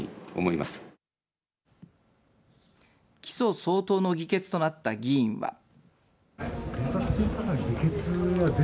起訴相当の議決となった議員は。